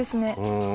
うん。